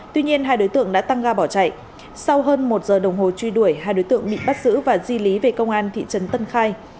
tuy nhiên hai đối tượng đã tăng ga bỏ chạy sau hơn một giờ đồng hồ truy đuổi hai đối tượng bị bắt giữ và di lý về công an thị trấn tân khai